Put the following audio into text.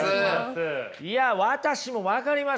いや私も分かります。